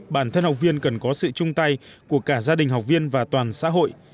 bản thân học viên cần có sự chung tay của cả gia đình học viên và toàn xã hội